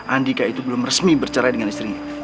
andika itu belum resmi bercerai dengan istrinya